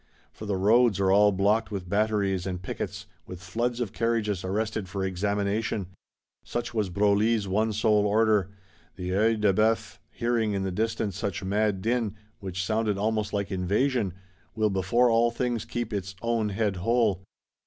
For the roads are all blocked with batteries and pickets, with floods of carriages arrested for examination: such was Broglie's one sole order; the Œil de Bœuf, hearing in the distance such mad din, which sounded almost like invasion, will before all things keep its own head whole.